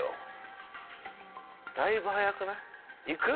だいぶ早くない？